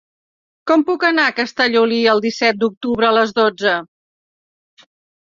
Com puc anar a Castellolí el disset d'octubre a les dotze?